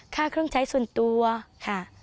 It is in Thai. ค่าเครื่องใช้ส่วนตัวค่ะ